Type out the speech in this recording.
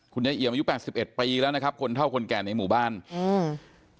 ยายเอี่ยมอายุแปดสิบเอ็ดปีแล้วนะครับคนเท่าคนแก่ในหมู่บ้านอืม